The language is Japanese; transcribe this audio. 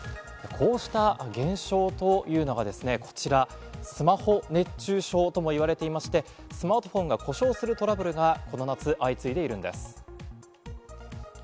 こうした現象というのがこちら、スマホ熱中症とも言われていまして、スマートフォンが故障するトラブルがこの夏、相次いでいるんです。